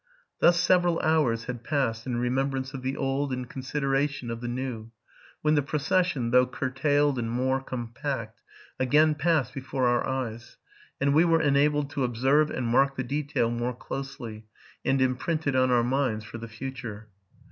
Thus several hours had passed in remembrance of the old and consideration of the new, when the procession, though curtailed and more compact, again passed before our eyes ; and we were enabled to observe and mark the detail more closely, and imprint it on our minds for the future.